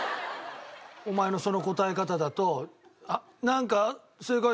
お前のその答え方だとなんか。